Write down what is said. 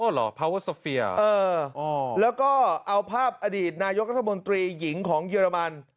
เหรอพาเวอร์โซเฟียแล้วก็เอาภาพอดีตนายกรัฐมนตรีหญิงของเยอรมัน